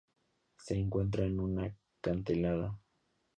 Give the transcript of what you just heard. Se encuentra en un acantilado.